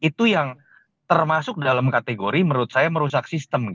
itu yang termasuk dalam kategori menurut saya merusak sistem